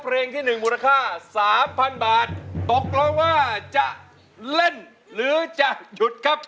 เพลงที่๑มูลค่า๓๐๐๐บาทตกลงว่าจะเล่นหรือจะหยุดครับ